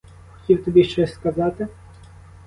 Хотів тобі щось сказати?